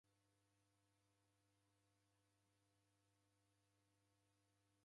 Mndu uhu nderebonyeghe kaung'a